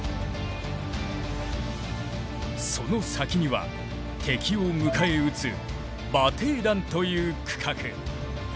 その先には敵を迎え撃つ馬蹄段という区画。